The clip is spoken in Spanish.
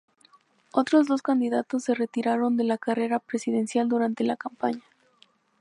Otros dos candidatos se retiraron de la carrera presidencial durante la campaña.